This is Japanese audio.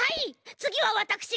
つぎはわたくしが。